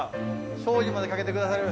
しょうゆまでかけてくださる。